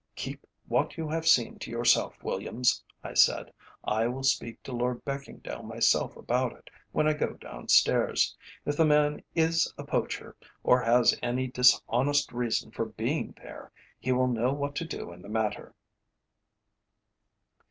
"Keep what you have seen to yourself, Williams," I said; "I will speak to Lord Beckingdale myself about it when I go downstairs. If the man is a poacher, or has any dishonest reason for being there, he will know what to do in the matter."